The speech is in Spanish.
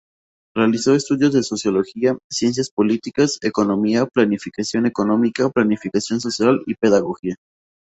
Realizó estudios de Sociología, Ciencias Políticas, Economía, Planificación económica, Planificación social y Pedagogía.